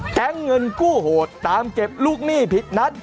แก๊งเงินกู้โหดตามเก็บลูกหนี้ผิดนัด